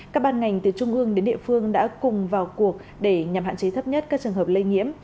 các ban ngành từ trung ương đến địa phương đã cùng vào cuộc để nhằm hạn chế thấp nhất các trường hợp lây nhiễm